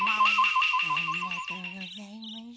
ありがとうございます。